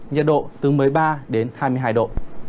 nhiệt độ từ một mươi ba đến hai mươi hai độ